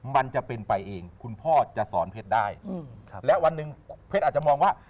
มันจะเป็นไปเองคุณพ่อจะสอนเพชรได้และวันหนึ่งเพชรอาจจะมองว่า